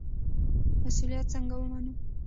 مسوولیت څنګه ومنو؟